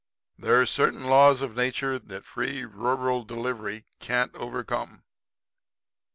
'There are certain Laws of Nature that Free Rural Delivery can't overcome.'